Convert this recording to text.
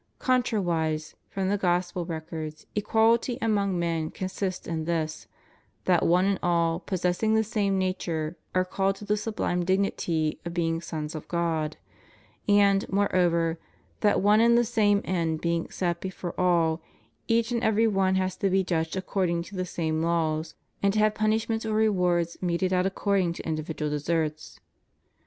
Contrariwise, from the Gospel records, equality among men consists in this, that one and all, possessing the same nature, are called to the sublime dignity of being sons of God ; and, moreover, that one and the same end being set before all, each and every one has to be judged according to the same laws and to have punishments or rewards meted out according to individual deserts.